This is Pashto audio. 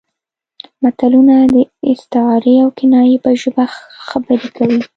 متلونه د استعارې او کنایې په ژبه خبرې کوي